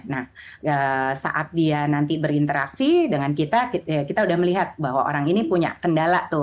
nah saat dia nanti berinteraksi dengan kita ya kita udah melihat bahwa orang ini punya kendala tuh